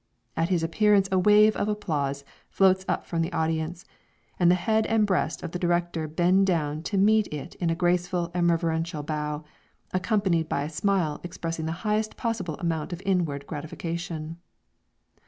At his appearance a wave of applause floats up from the audience, and the head and breast of the director bend down to meet it in a graceful and reverential bow, accompanied by a smile expressing the highest possible amount of inward gratification.